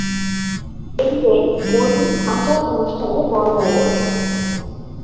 এটিতে বৈদিক আচার-অনুষ্ঠানের বর্ণনা রয়েছে।